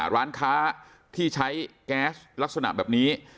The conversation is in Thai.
ร้านค้าที่ใช้แก๊สลักษณะแบบนี้